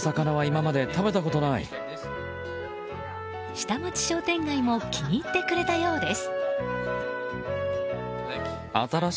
下町商店街も気に入ってくれたようです。